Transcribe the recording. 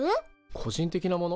個人的なもの？